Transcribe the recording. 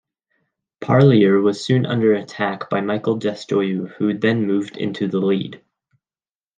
Parlier was soon under attack by Michel Desjoyeaux, who then moved into the lead.